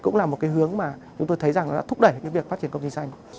cũng là một cái hướng mà chúng tôi thấy rằng nó đã thúc đẩy cái việc phát triển công trình xanh